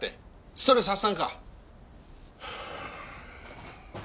ストレス発散か？